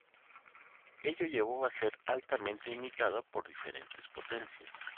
Ello llevó a ser altamente imitado por diferentes potencias.